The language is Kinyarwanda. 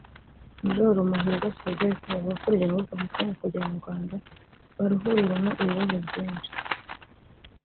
Majoro Muhirwa Sylvestre avuga ko urugendo rwo kuva i Congo kugera mu Rwanda baruhuriramo ibibazo byinshi